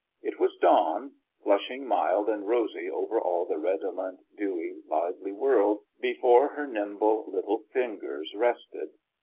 It was dawn flushing mild and rosy over all the redolent, dewy, lively world before her nimble little fin gers rested.